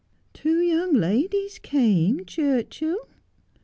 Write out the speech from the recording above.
'Two young ladies came, Churchill.'